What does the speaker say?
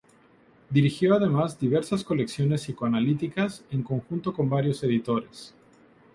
Dirigió además diversas colecciones psicoanalíticas en conjunto con varios editores.